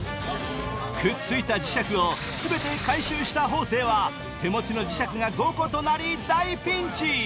くっついた磁石を全て回収した方正は手持ちの磁石が５個となり大ピンチ！